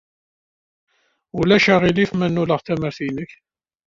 Ulac aɣilif ma nnuleɣ tamart-nnek?